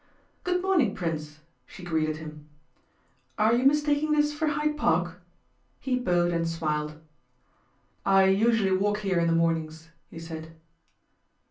'Good morning, Prince,' she greeted him. 'Are you mistaking this for Hyde Park?' He bowed and smiled. 'I usually walk here in the mornings,' he said.